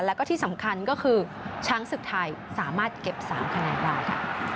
แล้วก็ที่สำคัญก็คือชั้นศึกท้ายสามารถเก็บ๓คะแนนบ้าง